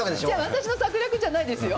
私の策略じゃないですよ。